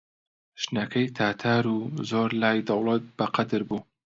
ژنەکەی تاتار و زۆر لای دەوڵەت بەقەدر بوو